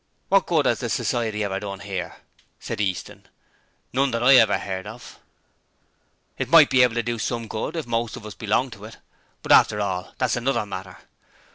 'Wot good 'as the Society ever done 'ere?' said Easton. 'None that I ever 'eard of.' 'It might be able to do some good if most of us belonged to it; but after all, that's another matter.